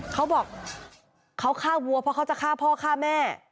เขาบอกเขาฆ่าวัวเพราะเขาจะฆ่าพ่อฆ่าแม่